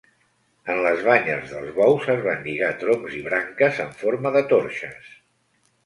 En les banyes dels bous es van lligar troncs i branques en forma de torxes.